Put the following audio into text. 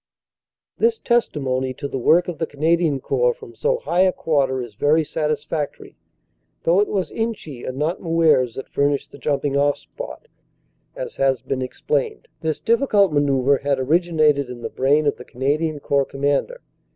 This testimony to the work of the Canadian Corps from so high a quarter is very satisfactory, though it was Inchy and not Moeuvres that furnished the jumping off spot. As has been explained, this difficult manoeuvre had originated in the brain of the Canadian Corps Commander.